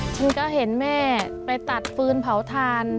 ฉันก็เห็นแม่ไปตัดฟืนเผาทาน